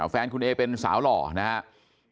แฟนคุณเอเป็นสาวหล่อนะครับ